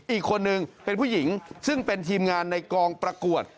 อีกคนนึงเป็นผู้หญิงซึ่งเป็นทีมงานในกองประกวด